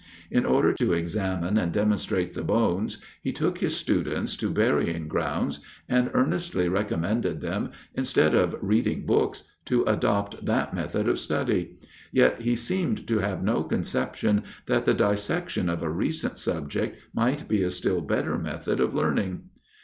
In order to examine and demonstrate the bones, he took his students to burying grounds, and earnestly recommended them, instead of reading books, to adopt that method of study: yet he seemed to have no conception that the dissection of a recent subject might be a still better method of learning.